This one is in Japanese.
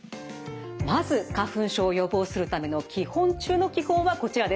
まず花粉症を予防するための基本中の基本はこちらです。